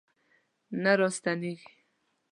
نه راستنیږي